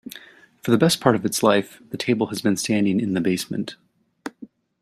For the best part of its life, the table has been standing in the basement.